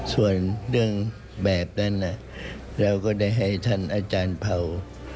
ส่วนเรื่องแบบนั้นเราก็ได้ให้ท่านอาจารย์เผ่า